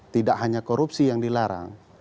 tidak hanya korupsi yang dilarang